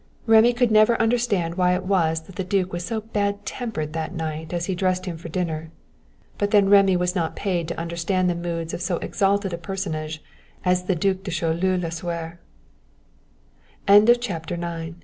Rémy could never understand why it was that the duke was so bad tempered that night as he dressed him for dinner. But then Rémy was not paid to understand the moods of so exalted a personage as the Duc de Choleaux Lasuer. CHAPTER X THREE HANDS A